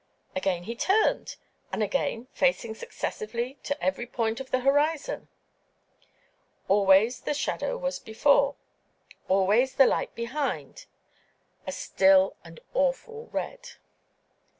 Again he turned, and again, facing successively to every point of the horizon. Always the shadow was before—always the light behind, "a still and awful red."